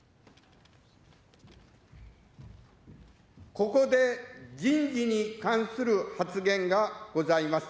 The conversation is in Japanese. ここで、人事に関する発言がございます。